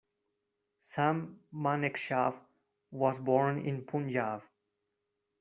Sam Manekshaw was born in Punjab.